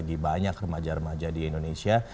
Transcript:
di banyak remaja remaja di indonesia